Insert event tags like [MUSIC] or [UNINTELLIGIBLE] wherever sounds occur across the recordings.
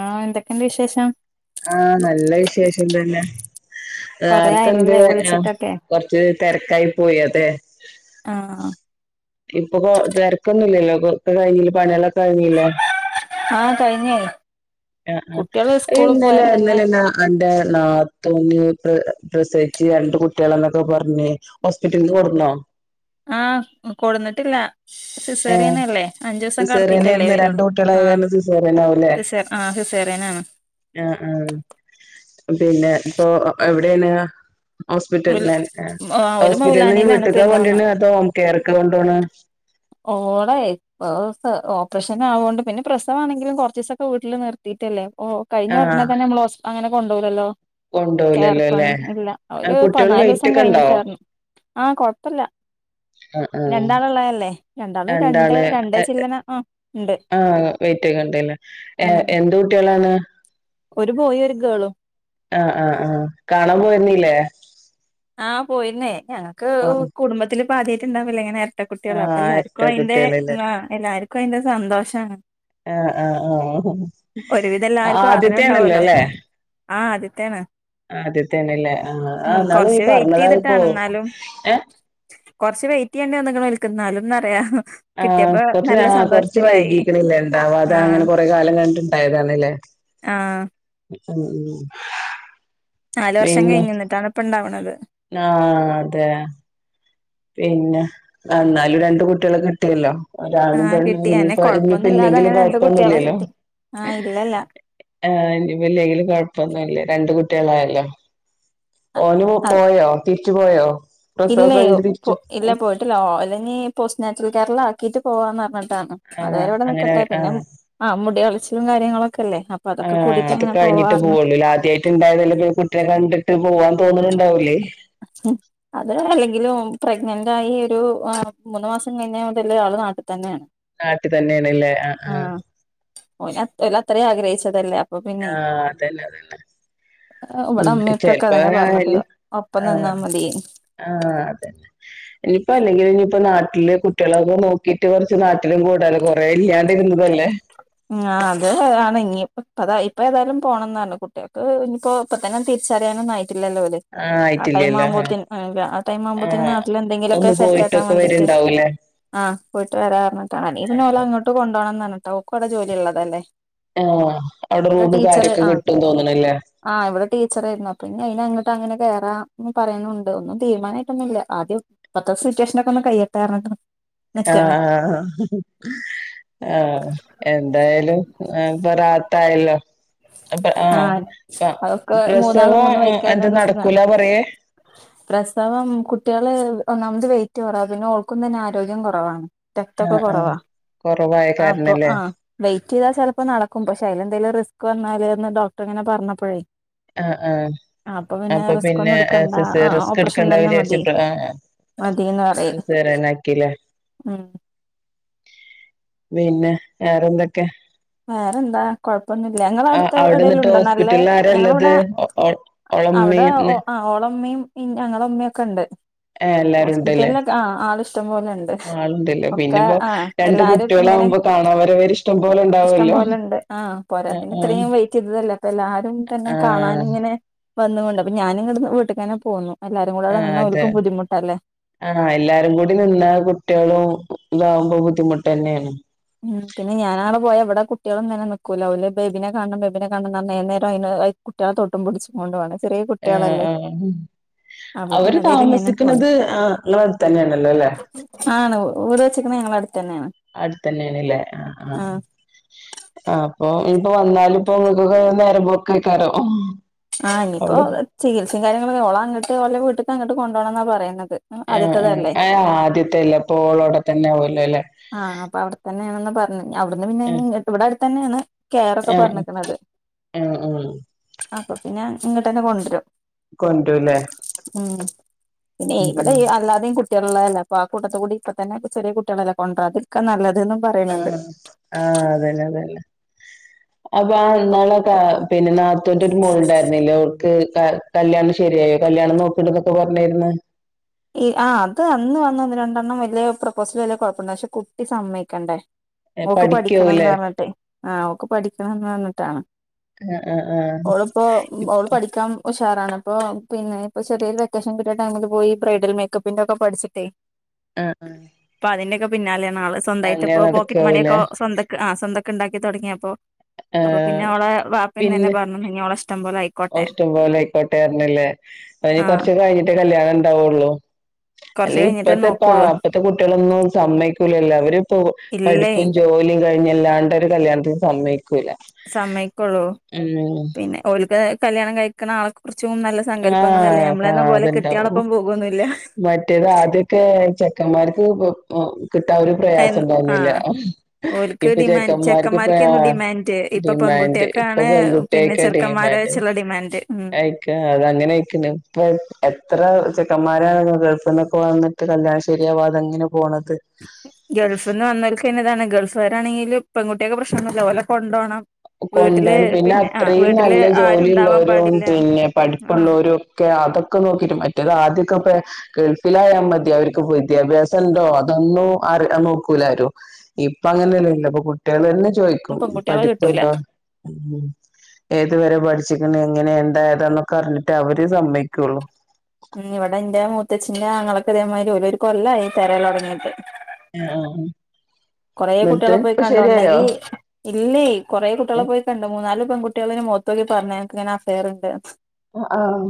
ആഹ് എന്തൊക്കെയുണ്ട് വിശേഷം? ആഹ്‌ നല്ല വിശേഷം തന്നെ കൊറേ ആയല്ലല്ലേ [UNINTELLIGIBLE] വിളിച്ചിട്ടൊക്കെ കൊറച്ച് തിരക്കായി പോയി അതെ. ആഹ് ഇപ്പോ പ്പോ തിരക്ക് ഒന്നും ഇല്ലല്ലോ. കഴിഞ്ഞില്ലേ പണിളൊക്കെ കഴിഞ്ഞില്ലെ? ആഹ് കഴിഞ്ഞെ. ആ ആ ഇന്നലെ തന്നെ ഇന്നലെ എന്നാ നിന്റെ നത്തുന് പ്രസവിച്ച് രണ്ട് കുട്ടികള എന്നൊക്കെ പറഞ്ഞ് ഹോസ്പിറ്റല്ന്ന് കൊണ്ടുവന്നോ? ആഹ് കൊണ്ടുവന്നിട്ടില്ല. ഏഹ് സിസറിയനല്ലേ അഞ്ചു ദിവസം കടത്തിട്ടല്ലേ സിസേറിയനായിരുന്നു രണ്ട് വെരെള്ളു കുട്ടികളായ ആഹ് കാരണം സിസേറിയൻ സിസ ആഹ് സിസേറിയനാണ്. ആ ആ പിന്നെ ഇപ്പൊ എവിടെണ്? ഹോസ്പിറ്റൽ ഓല് ലെ ആഹ് ഓല് ഹോസ്പിറ്റലന്ന് മൗലാനയിലാണ് വീട്ക്ക്ആണോ പെരിന്തമണ്ണ കൊണ്ടുവര്ണെ അതോ ഹോംകെയർക്ക കൊണ്ടോവ്ണത്? ഓളെ ഇപ്പൊ ഓപ്പറേഷൻ ആവൊണ്ട് പിന്നെ പ്രസവമാണെങ്കിലും കുറച്ച ദിവസൊക്കെ വീട്ടിൽ നി നിർത്തിട്ട് അല്ലെ ഓ കഴിഞ്ഞ ആഹ് ഉടനെ തന്നെ നമ്മള് അങ്ങനെ കൊണ്ടോവുലല്ലോ? കൊണ്ടോലല്ലോ ല്ലേ [UNINTELLIGIBLE] ഇല്ല അവര് കുട്ടികള് പതിനാല് വെയിറ്റ് ദിവസം ഒക്കെ ഉണ്ടോ കഴിഞ്ഞിട്ടാ പറഞ്ഞ്. ആഹ് കൊഴപ്പില്ല ആഹ് ആഹ് രണ്ടാള്ള്ഉള്ളതല്ലേ. രണ്ടാള് ഏഹ് ഉണ്ട് ആ വൈറ്റ് ഒക്കെ ഉണ്ടല്ലേ. ഏഹ് ഉം എന്ത് കുട്ടികളാണ്? ഒരു ബോയ് ഒരു ഗേളും ആഹ് ആഹ് ആഹ് കാണാൻ പോയിരുന്നില്ലേ? ആഹ് പോയിരുന്നേ. ഞങ്ങൾക്ക് ആഹ് കുടുംബത്തില് ഇപ്പൊ ആദ്യായിട്ടു ഉണ്ടാവല്ലേ ഇങ്ങനെ ഇരട്ട കുട്ടികള് അപ്പൊ ആഹ് എല്ലാർക്കും എരട്ട അതിന്റെ കുട്ടികളില്ലേ ആഹ് എല്ലാർക്കും അതിന്റെ സന്തോഷമാണ്. ആഹ് ആഹ് ആഹ് ഒരുവിധം എല്ലാർക്കും ആഗ്രഹം ആദ്യത്തെ ആണല്ലോ ഉണ്ടാവല്ലോ അല്ലേ? ആഹ് ആദ്യത്തെ ആണ് ആദ്യത്തേ ആണ്ലെ ആഹ് ആ അന്നാള് കൊറച്ച് ഇയ്യ് വെയിറ്റ് പറഞ്ഞതാപ്പോ ചെയ്തിട്ടാണ് ഓർക് എന്നാലും ഏഹ് കൊറച്ച് വെയിറ്റ് ചെയ്യേണ്ടി വന്നുക്ക്ണ് ഓല്ക്ക് എന്നാലും ന്ന് പറയാ ആഹ് കുറ കുറച്ച് നേര വൈകീക്കണില്ലേണ്ടാവാതെ അങ്ങനെ ആഹ് കൊറെ കാലം കഴിഞ്ഞ് ഇണ്ടായതാണല്ലേ? ആഹ് ഉം ഉം നാല് വർഷം പിന്നെ കഴിഞ്ഞ് ഇന്നട്ടാണ് ഇപ്പോ ഉണ്ടാവണത്. ആഹ് അതെ പിന്നെ എന്നാലും രണ്ട് കുട്ടികളെ കിട്ടിയല്ലോ. ഒരാണും ആഹ് പെണ്ണും കിട്ടി അന്നെ ഇനിയിപ്പോ ഇനിയിപ്പ കൊഴപ്പൊന്നും ഇല്ലാതെ ഇല്ലെങ്കിലും അങ്ങനെ രണ്ട് കുട്ടികളെ കൊഴപ്പൊന്നുല്ലല്ലോ. കിട്ടി ആഹ് ഇല്ലല്ല ആഹ് ഇനി ഇപ്പോ ഇല്ലെങ്കിലും കുഴപ്പൊന്നുല്ലേ രണ്ട് കുട്ടികളായല്ലോ. ഓനും പോയോ തിരിച്ചു പോയോ പ്രസവൊക്കെ ഇല്ലയ് കഴിഞ്ഞിട്ട് തിരിച്ചു ഇല്ല പോയിട്ടില്ല ഓലെ ഇഞ് പോസ് നാച്ചുൽ കെയർല് ആക്കീട്ട് പോവാന്ന് പറഞ്ട്ട് ട്ടാണ്. അത് ആഹ് വരെ ഇവടെ അങ്ങനെ നിക്കട്ടെ. പിന്നെ ആഹ് ആഹ് മുടി കളിച്ചിലും കാര്യങ്ങളൊക്കെല്ലേ. ആഹ് അത് കഴിഞ്ഞിട്ട് പോവൊള്ളുലെ ആദ്യായി ട്ട് ഇണ്ടായല്ലെ പിന്നെ കുട്ടിനെ കണ്ടിട്ട് പോവാൻ തോന്നുണൂണ്ടാവൂല്ലേ. ഹും അത് അല്ലെങ്കിലും പ്രഗ്നന്റ് ആയി ഒരു ആഹ് മൂന്ന് മാസം കഴിഞ്ഞ മുതലെ ആൾ നാട്ട് തന്നേണ്. നാട്ട് തന്നേണ്ല്ലേ ആഹ് ആഹ്. ഓല ഓലത്രയും ആഗ്രഹിച്ചതല്ലേ. അ പ്പൊ പിന്നെ, ആഹ് അതന്നെ അതന്നെ ഇവടെ ഉം ഉമ്മീഉപ്പക്കെ ചെലപ്പോ അതന്നേ പറഞ്ഞത്. ഇപ്പം നിന്നാ ആഹ് മതി. ആഹ് അതന്നെ. ഇനിപ്പ അല്ലങ്കിലും ഇഞ് പ്പം നാട്ടില് കുട്ട്യേളൊക്കെ നോക്കിട്ട് കൊർച്ച് നാട്ടിലും കൂടാലോ കൊ റെ ഇല്ലാണ്ടിരുന്നതല്ലേ. ഉം അത് ആണ് ഇഞ്ഞി. ഇപ്പ താ ഇപ്പ ഏതായാലും പോണം ന്നർഞ്ഞു. കുട്ട്യേൾക്ക് ഇനിയിപ്പോ ഇപ്പതന്നെണ് തിരിച്ചറിയാനൊന്നും ആയിട്ടില്ലല്ലോ ഓല്. ആഹ് ആ ടൈം ആയിട്ടില്ലല്ലോ ആഹ് ആവുമ്പോത്തിന് ആ വ്യ ടൈം ആവുമ്പത്തിന് ആഹ് നാട്ടിൽ എന്തെങ്കിലോക്കെ ഒന്ന് സെറ്റ് ആക്കാൻ പോയിട്ടൊക്കെ വാണ്ടിട്ട്. വരുണ്ടാവൂലേ ആഹ് പോയിട്ട് വരാ പർഞ്ഞിട്ടാണ്. അല്ലങ്കി പിന്നേ ഓലങ്ങട്ട് കൊണ്ടോണംന്ന് പറഞ്ഞിട്ടാ ഓക്കും അവ്ടെ ജോലിള്ളതല്ലേ. ഏഹ് അവ്ടെ റൂമും കാര്യൊക്കെ കിട്ടുംന്ന് തോന്ന്ണ്ല്ലേ. ആഹ് ഇവിടെ ടീച്ചറേര്ന്നു. അപ്പൊ ഇനി അയിനങ്ങട്ട് അങ്ങനെ കേറാ ന്ന് പറയുണൂണ്ട് ഒന്നും തീരുമാനായിട്ടൊന്നുല്ല. ആദ്യം ഇപ്പത്തെ സിറ്റുവേഷനൊക്കൊന്ന് കയ്യട്ടെ പർഞ്ഞിട്ടാണ്. ആഹ് ആഹ് ആഹ്. ആഹ്. എന്തായാലും ഇപ്പൊ റാഹത്തായല്ലോ. അപ്പ ആഹ് അ അതൊക്കെ മൂന്നാള് പ്രസവം മൂന്ന് എന്താ വൈക്കായതുകൊണ്ട് സുഖാണ് നടക്കൂലാ പറയേ? പ്രസവം കുട്ട്യേള് ഒന്നാമത് വെയിറ്റ് കൊറവാ. പിന്നെ ഓൾക്കും തന്നെ ആരോഗ്യം കൊറവാണ്. രക്‌തൊക്ക ആഹ് ആഹ് കൊറവാ കൊറവായ ആപ്പം കാരണല്ലേ ആഹ് വെയിറ്റ് ചെയ്താ ചെലപ്പം നടക്കും. പക്ഷെ അതിൽ എന്തേലും റിസ്ക് വന്നാല്ന്ന് ഡോക്ടർ ഇങ്ങനെ പറഞ്ഞപ്പഴേ. ആഹ് ആഹ് അപ്പ റിസ്ക് പിന്നെ ഒന്നും എടുക്കണ്ട സിസേ ആഹ് റിസ്ക് ഓപ്പറേഷൻ ഇട്ക്കണ്ട തന്നെ മതി വിചാരിച്ചിട്ട് ആഹ് ആഹ്. മതിന്ന് പറയും സിസേറിയനാക്കി ല്ലേ. ഉം പിന്നെ വേറെന്തൊക്കെ? വേറെന്താ കൊഴപ്പൊന്നുല്ല. ഇങ്ങളെ ആഹ് അവ്ട്ത്തെ അവിടെന്നിട്ട് ഏടെലുണ്ടോ നല്ലെ, ഹോസ്പിറ്റലിൽ ഞങ്ങളവ ആരാള്ളത് ടാ, അവടെ ഓളമ്മീം ഒ ആഹ് ഓളമ്മിം ഞങ്ങളെ ഇമ്മിം ഒക്കെണ്ട്. ഏ എല്ലാരും ഉണ്ടല്ലേ ഹോസ്പിറ്റൽലൊക്കെ ആഹ് ആള് ഇഷ്ടം പോലെണ്ട്. ആളുണ്ടല്ലോ ഒക്കെ ആഹ് എല്ലാരുംക് ഇങ്ങനെ കാണാ വരവര്ശ് ട്ടംപോലെണ്ട ഇഷ്ടം പോലെ ണ്ട്. ആഹ് പോരാത്തേന് ഇത്രീം വെയ്റ്റെയ്തതല്ലേ. അപ്പൊ എല്ലാരും തന്നെ കാണാന് ഇങ്ങനെ, വന്നുണ്ട്. അപ്പ ഞാന് ഇങ്ങട് ന്ന് വീട്ട്ക്കെന്നെ പോന്നു. എല്ലാരും കൂടെ അവ്ടെ ആഹ് നിന്നാ അതെ ഓൽക്കും ബദ്ധിമുട്ടല്ലേ. ആഹ് എല്ലാരും കൂടി നിന്നാ കുട്ട്യേളും ഇതാവുമ്പം ബുദ്ധിമുട്ടെന്നേണ്. ഉം പിന്നെ ഞാനാടെ പോയാ ഇവടെ കുട്ട്യേള്ങ്ങനെ നിക്കൂല. ഓല് ബേബിനെ കാണണം ബേബിനെ കാണണം ന്ന് പർഞ് ഏത് നേരും അയ്ന് അഹ് കുട്ട്യേളെ തൊട്ടും പുട്ച്ചുങ്ങോണ്ടും ആണ്. ചെറ്യേ ആഹ് കുട്ട്യേളല്ലേ. ആഹ് അവര് താമസിക്ണത് ആഹ് ഇങ്ങളെട്ത്തന്നേണല്ലോ ല്ലെ. ആണ് വീട് വെച്ച്ക്ണത് ഞങ്ങളെട്ത്തെന്നേണ്. അടുത്തന്നേണ് ല്ലേ ആഹ് ആഹ്. അപ്പോ ഇനിപ്പോ വന്നാലും പ്പൊ ഇങ്ങക്കൊക്കെ നേരം പോക്കേക്കാരം. ആഹ് ഇനിപ്പോ അവിടെ ചികിത്സയും കാര്യങ്ങളൊക്കെ ഓളങ്ങട്ട് ഓലെ വീട്ട് ക്ക് അങ്ങട്ട് കൊണ്ടോണം ന്നാ പറയ്ണത്. എന് ആഹ്. ഏഹ് ആദ്യത്തല്ലെ അപ്പോ ഓളോടെ തന്നെ ആവൊല്ലോ ല്ലെ. ആഹ് അപ്പ അവിടെത്തന്നാണ്ന്ന് പറഞ്ഞ് നി അവിട്ന്ന് പിന്നെ ഇനി ആഹ് ഇവിടെ അടുത്തന്നെയാണ് കെയറൊക്കെ ആഹ് പറഞ്ഞിക്കണത് ആഹ് ആഹ് അപ്പൊ പിന്നെ ഇങ്ങട്ടന്നെ കൊണ്ടരും കൊണ്ടരൂല്ലേ ഉം ന്നെ ഉം ഇവിടെ ഉം അല്ലാതെയും കു ട്ട്യേ ളതല്ലൊ അപ്പൊ ആ കൂട്ടത്ത്കൂടി ഇപ്പ തന്നെ ചെറിയ കുട്ടികളെല്ലെ കൊണ്ടരാതിരിക്ക നല്ലത്ന്നും ആഹ് ആഹ് അതെല്ലെ അതെല്ലെ [INAUDIBLE] അപ്പൊ അ ന്നാള് ക പിന്നെ നാത്തൂന്റോരു മോളണ്ടായിരുന്നില്ലേ ഓൾക്ക് ക കല്യാണ ശരിയായ കല്യാണം നോക്കിണ്ട്ന്നൊക്കെ പറഞ്ഞിര്ന്ന് ഇ ആഹ് അത് അന്ന് വന്നന്ന് രണ്ടെണ്ണം വല്യ പ്രൊപ്പോസല് വല്യ കൊഴപ്പുണ്ട് പക്ഷെ കുട്ടി സമ്മയ്ക്കണ്ടേ ഓക്ക് പഠിക്കണന്ന് പഠിക്കാവൂലേ പറഞ്ഞിട്ടെ ആഹ് ഓക്ക് പഠിക്കണന്ന് പറഞ്ഞിട്ടാണ് ആഹ് ആഹ് ആഹ് ഓളിപ്പോ ഓള് പഠിക്കാം ഉഷാറാണപ്പൊ പിന്നെ പ്പൊ ചെറിയ വെക്കേഷൻ കിട്ടിയ ടൈമില് പോയി ബ്രൈഡൽ മേക്കപ്പിന്റെക്കെ പഠിച്ചിട്ടേ ആഹ് ആഹ് അപ്പൊ അതിന്റെക്കെ പിന്നാലെയാണാള് അങ്ങനെ സ്വന്തായിട്ടിപ്പൊ പോക്കറ്റ് മണിയൊക്കെ നടക്കാവൂലേ സ്വന്ത ആഹ് സ്വന്തൊക്കെ ഉണ്ടാക്കി തുടങ്ങിയപ്പോ അപ്പൊ ആഹ് പിന്നെ ഓ ളെ വാപ്പി തന്നെ പറഞ്ഞുെ ഇനി ഓളെ ഇഷ്ടം പോലെ ആയി ഓ ഇഷ്ടംപോലെ ആയിക്കോട്ടെർന്നല്ലേ അ അനി ആഹ് കൊറച്ച് കഴിഞ്ഞിട്ടെ കല്യാണം ഇണ്ടാവുള്ളു അല്ല കൊറച്ച് കഴിഞ്ഞിട്ടേ ഇപ്പത്തെപ്പ നോക്കുള്ളൂ ഇപ്പത്തെ കുട്ടികളൊന്നും സമ്മയ്ക്കൂലല്ലോ അവര്പ്പോ ഇല്ലേ പഠിപ്പും ജോലിയും കഴിഞ്ഞല്ലാണ്ട ഒരു കല്യാണത്തിന് സമ്മയിക്കൂല്ല സമ്മയക്കുള്ളൂ പിന്നെ ഓൽക്ക് കല്യാണ കഴിക്കണ ആള ച്ചും നല്ല സങ്കല്പങ്ങളല്ലേ ആഹ് നമ്മളന്നെ പോലെ കിട്ടിയാളൊപ്പം പോകൊന്നില്ല മറ്റേതാദ്യ ക്കെ ചെക്കന്മാർക്ക് [UNINTELLIGIBLE] കിട്ടാ ഒരു പ്രയാസം തോന്നീല ആഹ് ഓൽക്ക് ഇപ്പൊ ഡിമാൻഡ് ചേക്കന്മാർക്ക് പ്രേമ ചെക്കന്മാർക്കെന്നു ഡിമാൻഡ് ഇപ്പൊ ഡിമാൻഡ് ഇപ്പൊ പെൺകുട്ടികൾക്കാണ് പിന്നെ പെൺകുട്ട്യേക്കാ ചെറുക്കന്മാരെ ഡിമാൻഡ് വെച്ചുള്ള ഡിമാൻഡ് ഉം ആയി അത അങ്ങനെ ആയിക്ക്ണ് ഇപ്പ എത്ര ചെക്കന്മാരാണ് ഗൾഫ്ന്നൊക്കെ വന്ന് കല്യാണശ്ശേരിയാവാതങ്ങനെ പോണത് ഗൾഫ്ന്ന് വന്നോർക്ക്ന്നെതാണ് ഗൾഫാരാണെങ്കില് പെൺകുട്ട്യേക്ക് പ്രശ്നോന്നില്ല ഓലെ കൊണ്ടോണം വീട്ടില് കൊണ്ടോണം പിന്നെ ആ അത്രയും വീട്ടില് നല്ല ആരുണ്ടാവാൻ ജോലിള്ളോരും പാടില്ല പിന്നെ ആഹ് പഠിപ്പുള്ളോരും ക്കെ അതൊക്കെ നോക്കീട്ട് മറ്റേ ആദ്യൊക്കെപ്പ ഗൾഫിലായാ മതി അവർക്ക് പോയി വിദ്യാഭ്യാസം ഉണ്ടോ അതൊന്നും അറി നോക്കൂലാരു ഇപ്പൊ അങ്ങനെയല്ലല്ല ഇപ്പൊ കുട്ട്യേലന്നെ ചോയ് പെൺകുട്ട്യോളെ കെ - പ്പ്ണ്ടോ ഉം ഏതുവരെ പഠിച്ചിക്ക്ണ് എങ്ങനെ എന്താ ഏതാന്നൊക്കെ അറിഞ്ഞിട്ടെ അവര് സമ്മയ്ക്കുള്ളൂ ഉം ഇവിടെ ഇന്റെ മൂത്തച്ചീന്റെ ആങ്ങളക്ക് ഇതേമാതിരി ഓലൊരു കൊല്ലായി തിരയാലോടങ്ങട്ട് മ്യാവു കൊറെ കുട്ട്യേളെ പോയി കണ്ട് വന്നെങ്കി ഇല്ലേ കുറെ കുട്ടിളെ പോയി കണ്ട് മൂന്നാല് പെൺകുട്ട്യേള് മൊത്തോക്കി പറഞ് എനക്ക്ങ്ങനെ അഫെയർണ്ട് ആഹ്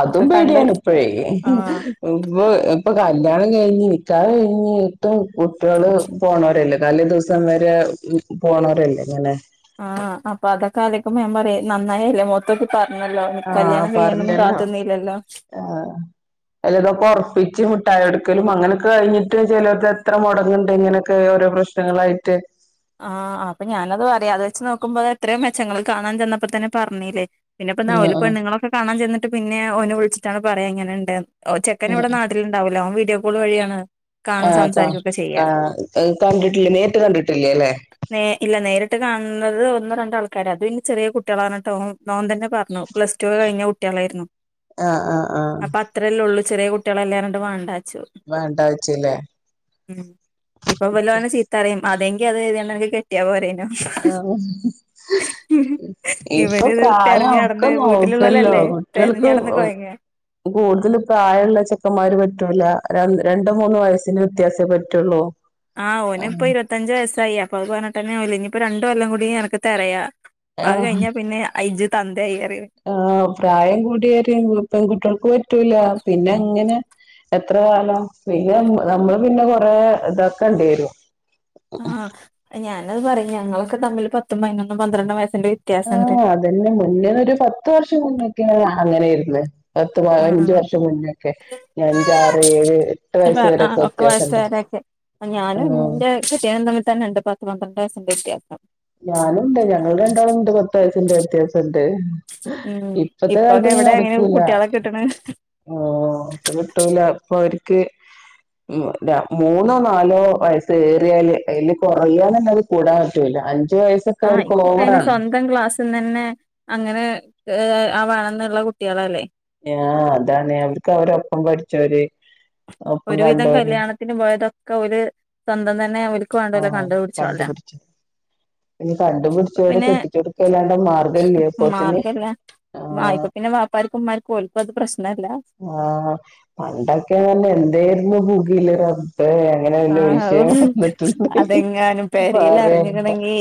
അതും പേടിയെന്നു ഇപ്പഴേ ആഹ് ഇപ്പ ഇപ്പൊ കല്യാണം കഴിഞ്ഞ് നിക്കാഹ് കഴിഞ്ഞിട്ടും കുട്ട്യേള് പോണോരല്ലേ തലെ ദിവസം വരെ പോണോരല്ലേ ഇങ്ങനെ ആഹ് അപ്പൊ അതൊക്കെ അലോയ്ക്കുമ്പോ ഞാൻ പറയും നന്നായല്ലേ മൊ ഇത്തൊക്കെ പറഞ്ഞല്ലോ ആഹ് കല്യാണം കയ്യാനൊന്നും പറഞ്ഞല്ലോ കാത്തിന്നില്ലല്ലോ ആഹ് അല്ലതൊക്കെ ഉറപ്പിച്ച് മുട്ടായോടുക്കലും അങ്ങനോക്കെ കഴിഞ്ഞിട്ട് ചിലർക്ക് എത്ര മുടങ്ങുണ്ട് ഇങ്ങനെക്കെ ഓരോ പ്രശ്ന പ്രശ്നങ്ങളായിറ്റ് ആ അപ്പ ഞാനത് പറ്യാ അത് വെച്ച് നോക്കുമ്പോ അത് എത്രയും മെച്ചങ്ങള് കാണാൻ ചെന്നപ്പോ തന്നെ പറഞ്ഞീല്ലേ പിന്നെപ്പൊന്താ ആഹ് ഓല് ആഹ് പെണ്ണ് ങ്ങളൊക്കെ കാണാൻചെന്ന്ട്ട് പിന്നെയാ ഓന് വിൾച്ച്ട്ടാണ് പറ്യാ ഇങ്ങനണ്ട്ന്ന് ഓ ചെക്കൻന് ഇവ്ടെ നാട് ട്ട്ല് ഉണ്ടാവൂല ഓൻ വീഡിയോ കോള് വഴിയാണ് ആ കാണും കാ സംസാരിക്കൊക്കെ ചെയ്യാ കാ കണ്ട്ട്ടില്ല്യ നേരിട്ട് കണ്ട്ട്ട്ല്ല്യ ലേ നേ ഇല്ല നേരിട്ട് കാൺണത് ഒന്നോ രണ്ട് ആൾക്കാരാ അതും ഇനി ചെറ്യേ കുട്ട്യേളാർഞ്ട്ട് ഓൻ ഓൻ തന്നെ പർഞ്ഞു പ്ലസ്റ്റു ഒക്കെ കഴിഞ്ഞ കുട്ട്യേളേര്ന്നു ആഹ് ആഹ് ആഹ് ഇത്രയല്ലേ ഒള്ളൂ ചെറ്യേ കുട്ട്യേളെല്ലേർഞ്ട്ട് വാണ്ടാച്ചു വേണ്ട വെച്ചില്ലേ ഉം ഇപ്പൊ വല് ഓനെ ചീത്തറിം അതെങ്കി അത് കെര്തിയാണ്ട് അൻക്ക് കെട്ട് കെട്ട്യാ പോരെയ്നോ ഇപ്പൊ ഇവര് ത് പ്രായം തെര്ഞ്ഞട് ഇമ്മേ ഒക്കെ നോക്കല്ലോ വീട്ട്ലുള്ളലല്ലേ തെര്ഞ്ഞട്ന്ന് കൊയ്ങ്ങാ കൂടുതല് പ്രായള്ള ചെക്കന്മാര് പറ്റൂല ര രണ്ട് മൂന്ന് വയസ്സിന് വ്യത്യാസേ പറ്റുള്ളൂ ആ ഓന് ഇപ്പൊ ഇരുപത്തഞ്ച് വയസ്സായി അപ്പൊ അത് പറഞ്ഞിട്ട്ന്നെ ഓല് ഇനിയിപ്പൊ രണ്ട് കൊല്ലം കൂടി അനക്ക് തെരയാ ആ അത് കഴിഞ്ഞാ പിന്നെ അയ്ജ് തന്തായിറ്യ ആ പ്രായം കൂടിയോര് പെൺകുട്ട്യേൾക്ക് പറ്റൂല പിന്നെ ങ്ങനെ എത്ര കാലം പിന്നെ മ് നമ്മള് പിന്നെ കൊറെ ഇതക്കണ്ട്യരും ആ ഞാനത് പറയും ഞങ്ങളൊക്കെ തമ്മില് പത്തും പതിനൊന്നും പന്ത്രണ്ടും വയസ്സിന്റെ വ്യത്യാസണ്ട് ഇതന്നെ മുന്നേ ഒരു പത്ത് വർഷം മുന്നക്കെ അങ്ങനേര്ന്ന് പത്ത് പൈനഞ്ച് ആഹ് വർഷം മുന്നേക്കെ ഞാ അഞ്ചു ആറ് ഏഴ് എട്ട് ഇപ്പ വയസ്സ് വരെക്കെ ആഹ് ഒക്കെ വ്യത്യാസംണ്ടാവും വയസ്സായവരൊക്കെ ഞാനും എന്റെ കെട്ടിയോനും തമ്മിൽ തന്നെണ്ട് പത്ത് പന്ത്രണ്ട് വയസിന്റെ വ്യത്യാസം ഞാനുണ്ട് ഞങ്ങൾ രണ്ടാള്ണ്ട് പത്ത് വയസിന്റെ വ്യത്യാസണ്ട് ഉം ഇപ്പത്തെ ഇപ്പൊക്കെ കാലത്തൊന്നും എവിടെ എങ്ങനെ നടക്കൂല കുട്ടികളെ കിട്ടണ് ആ ഇപ്പൊ കിട്ടൂല ഇപ്പൊ ഓര്ക്ക് ഉം ല മൂന്നോ നാലോ വയസ്സ് ഏറിയല് അയ്ല് കുറയാനല്ലാതെ കൂടാൻ പറ്റൂല അൻ അഞ്ചു വയസ്സക്കെ അവര്ക്ക് ഓവറാണ് ഇപ്പം ക്ലാസ്സിന്ന് ന്നെ അങ്ങനെ ഏ ആവണംന്നുള്ള കുട്ട്യേളല്ലേ ആ അതാണ് അവര്ക്ക് അവരൊപ്പം പഠിച്ചോര് ഒപ്പം ഒരുവിധം കണ്ടോര് കല്യാണത്തിന് പോയ്തൊക്കെ ഓല് സ്വന്തം തന്നെ ഓൽക്ക് വാണ്ടോലെ ആഹ് കണ്ട് പുട്ച്ചോല കണ്ടുപിടിച്ചു പിന്നെ കണ്ടുപിട്ച്ചോരെ പിന്നെ കെട്ടിച്ചൊട്ക്കല്ലാണ്ട മാർഗ്ഗംല്ല്യ അപ്പോത്തിന് ആയിപ്പ പിന്നെ വാപ്പാര്ക്കും ഉമ്മാര്ക്കും ഓൽക്കും അത് പ്രശ്നംല്ല ആ പണ്ടൊക്കെർഞ്ഞ എന്തേര്ന്നു പുകില് റബ് റബ്ബേ അങ്ങനെ വല്ല ആഹ് വിഷയം വന്നിട്ട് ണ്ടെങ്കി അതെങ്ങാനും പെരേൽ പറയേണ്ട അറിഞ്ഞിക്കണെങ്കി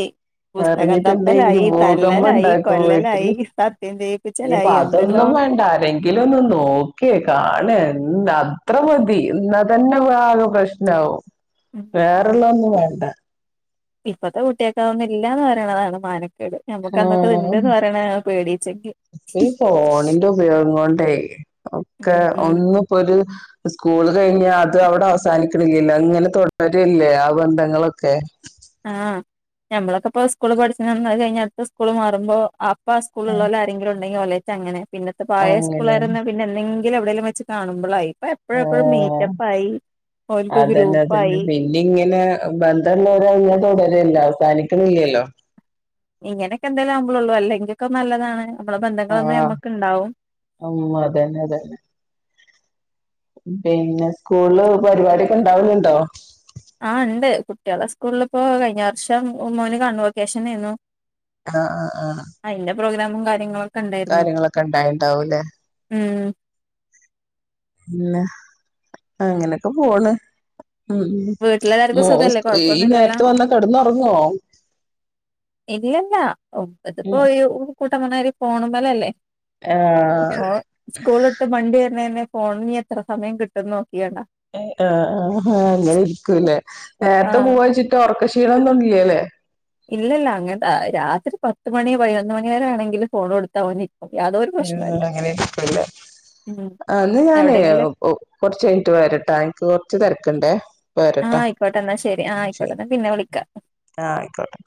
പുസ്തകം അറിഞ്ഞിട്ടുണ്ടെങ്കി തപ്പലായി ഭൂകമ്പം തല്ലലായി ണ്ടാക്കും കൊല്ലലായി വീട്ട്ല് സത്യം ഇഞ്ഞി പ്പ ചെയ്യിപ്പിച്ചലായി അതൊന്നും എന്തെല്ലാം വേണ്ട ആരെങ്കിലും ഒന്നും നോക് നോക്കെ കാണെ ന്താ അത്ര മതി എന്നാ തന്നെ ഭാ ആകെ പ്രശ്നാവും വേറെള്ളത് ഒന്നും വേണ്ട ഇപ്പത്തെ കുട്ട്യേക്ക് അത് ഒന്നും ഇല്ലാന്ന് പറയ്ണതാണ് മാനക്കേട് നമ്മക്കന്നൊക്കെ അത് ആഹ് ണ്ട്ന്ന് പറയ്ണാണ് പേടീച്ചങ്കി ഈ ഫോണിന്റെ ഉപയോഗം കൊണ്ടേയ് ഒക്കെ ഉം ഒന്നും പ്പോ ഒര് സ്കൂള് കഴിഞ്ഞ അത് അവ്ടെ അവസാനിക്ക്ണ്ല്ല്യല്ലോ അങ്ങനെ തുടരല്ലേ ആ ബന്ധങ്ങളൊക്കെ ആഹ് ഞ്ഞമ്മളൊക്ക പ്പോ സ്കൂൾ പഠിച്ണ അന്ന് അത് കഴിഞ്ഞ് അടുത്ത് സ്കൂള് മാറുമ്പോ അപ്പ ആ സ്കൂള് ഉള്ളോലെ ആരെങ്കിലും ഉണ്ടെങ്കി ഒലേയ്റ്റ് അങ്ങനെ പിന്നത്തെ പഴയ അങ്ങനെണ് സ്കൂളായിരുന്ന പിന്നെ എന്നെങ്കില് എവ്ടേലും വെച്ച് കാണുമ്പളായി ഇപ്പ എപ് പ്പോഴ എപ്പോഴും ആഹ് മീറ്റപ്പായി ഓല്ക്ക് ഗ്രൂപ്പായി ഇന്നി ഇങ്ങനെ ബന്ധമുള്ളവര അങ്ങ തുടരല്ല അവസാനിക്കുന്നില്ലല്ലോ ഇങ്ങനെയൊക്കെ എന്തോലു ആവുമ്പളള്ളൂ അല്ലെങ്കിലൊക്കെ നല്ലതാണ് നമ്മളെ ബന്ധങ്ങളൊന്നും ആഹ് നമ്മക്ക് ഉണ്ടാവും ഉം അതന്നെ അതന്നെ പിന്നെ സ്കൂളില് പരിപാടിഒക്കെ ഉണ്ടാവല്ണ്ടോ ആ ഇണ്ട് കുട്ടികളെ സ്കൂളിലിപ്പോ കഴിഞ്ഞ വർഷം മോന് കോൺ വൊക്കേഷനേർന്നു ആഹ് ആഹ് ആഹ് അതിന്റെ പ്രോഗ്രമും കാര്യങ്ങളും കാര്യങ്ങളൊക്കെ ണ്ടായോണ്ടാവുംല്ലേ ഉം ഉം ന്ന അങ്ങനെയൊക്കെ പോണ് ഉം വീട്ടിലെല്ലാർക്കും മോ സുഖല്ലേ ഈ നേരത് വന്ന കിടന്ന് ഉറങ്ങുവോ ഇനി യല്ല ത്പ്പോ ഉം. കൂട്ട മുന്നരി പോണ മേൽ അല്ലേ ആഹ് [UNINTELLIGIBLE] സ്കൂള്ട്ട് വണ്ടി വരണ തന്നെ പോണങ്കി എത്ര സമയം കിട്ടുംന്ന് നോക്കിയത അഹ് അഹ് ആഹ് അങ്ങനെ ഇരിക്കൂല്ലേ നേരത്തെ ആഹ് പൂവച്ചിട്ട് ഉറക്കക്ഷീണമൊന്നും ഇല്ലലേ ഇല്ല ഇല്ല അങ്ങനത്തെ രാത്രി പത്തുമണി പതിനൊന്ന് മണി വരെ ആണെങ്കിൽ ഫോൺ കൊടുത്താ [UNINTELLIGIBLE] ഓക്കെ അതൊരു [UNINTELLIGIBLE] അങ്ങനെ ഇരിക്കുവല്ലേ ഉം അന്ന് ഞാനേ എവിടെയെങ്കിലും കുറച്ച് കഴിഞ്ഞട്ട് വരട്ടാ നിക്ക് കുറച്ച് തിരക്കുണ്ടേ ആഹ് വരട്ടാ ആയിക്കോട്ടെ ന്നാ ശരി അഹ് ആയിക്കോട്ടെ ന്നാ പിന്നെ വിളിക്കാ ആഹ് ആയിക്കോട്ടെ